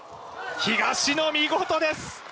東野、見事です！